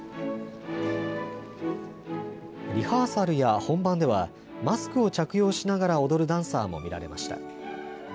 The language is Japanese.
リハーサルや本番ではマスクを着用しながら踊るダンサーも見られました。